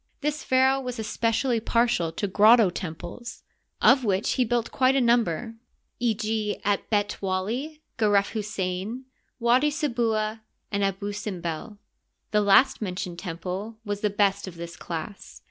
This pharaoh was espe cially partial to grotto temples, of which he built quite a number— e. g., at B^t Wally, Geref Hussein, Widi Se bua. and Abusimbel. The last mentioned temple was the best'of this class.